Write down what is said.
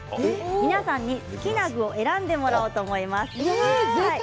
皆さんに好きな具を選んでもらおうと思います。